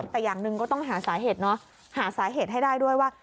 แต่อย่างหนึ่งก็ต้องหาสาเหตุเนาะหาสาเหตุให้ได้ด้วยว่า